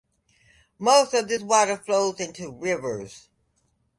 Most of this water flows into rivers.